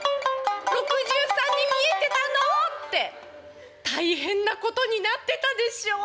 ６３に見えてたの？」って大変なことになってたでしょう。